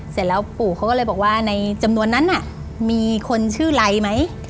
เสร็จแล้วปู่เขาก็เลยบอกว่าในจำนวนนั้นน่ะมีคนชื่อไรไหม